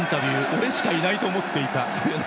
俺しかいないと思っていたという。